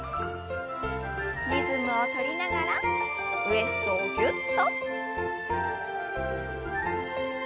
リズムを取りながらウエストをぎゅっと。